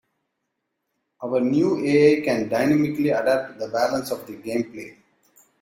Our new AI can dynamically adapt the balance of the gameplay.